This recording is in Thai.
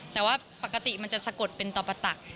แต่ว่าปกติมันจะสะกดเป็นต่อประตัก